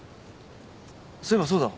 そういえばそうだ。